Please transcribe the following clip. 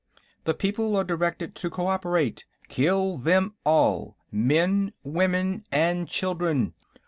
The people are directed to cooperate; kill them all, men, women and children.